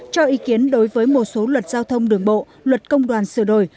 cho ý kiến đối với một số luật giao thông đường bộ luật công đoàn sửa đổi